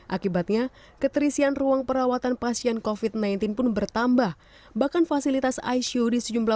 akibatnya keterisian ruang perawatan pasien kofit sembilan belas pun bertambah bahkan fasilitas aisyudis jumlah